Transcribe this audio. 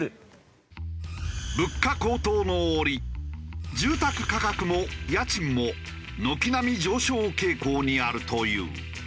物価高騰の折住宅価格も家賃も軒並み上昇傾向にあるという。